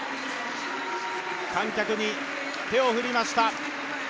観客に手を振りました。